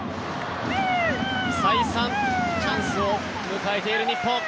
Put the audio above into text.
再三、チャンスを迎えている日本。